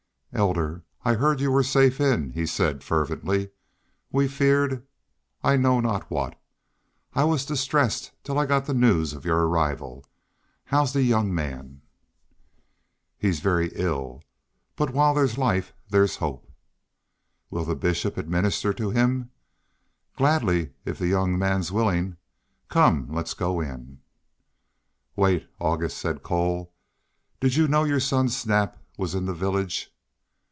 "Elder, I heard you were safe in," he said, fervently. "We feared I know not what. I was distressed till I got the news of your arrival. How's the young man?" "He's very ill. But while there's life there's hope." "Will the Bishop administer to him?" "Gladly, if the young man's willing. Come, let's go in." "Wait, August," said Cole. "Did you know your son Snap was in the village?"